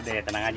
udah tenang aja